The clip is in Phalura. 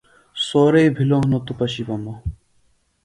سورئی بِھلوۡ ہِنوۡ توۡ پشیۡ بہ مہ۔